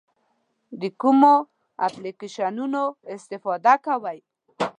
د کومو اپلیکیشنونو استفاده کوئ؟